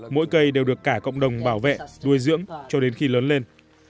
mỗi cây đều được cả cộng đồng bảo vệ đuôi dưỡng cho đến khi lớn lên